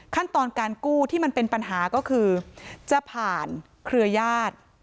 ขั้นตอนการกู้ที่มันเป็นปัญหาก็คือจะผ่านเครือญาติ